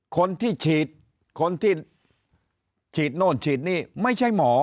คนที่ฉีดคนที่ฉีดโน่นฉีดนี่ไม่ใช่หมอ